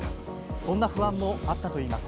そんな不安もあったといいます。